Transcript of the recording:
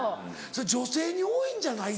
それ女性に多いんじゃない。